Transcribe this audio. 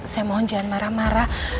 saya mohon jangan marah marah